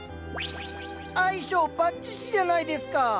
相性バッチシじゃないですか。